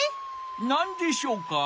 なんでしょうか？